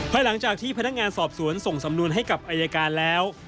ภายหลังจากที่พนักงานสอบสวนส่งสำนวนให้กับอายการแล้ว